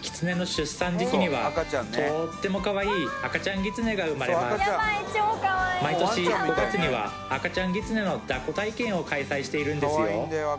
キツネの出産時期にはとってもかわいい赤ちゃんギツネが生まれます毎年５月には赤ちゃんギツネの抱っこ体験を開催しているんですよ